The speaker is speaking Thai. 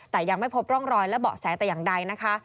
แต่ยังไม่พบร่องรอยและเบาะแสแต่อย่างใดนะคะ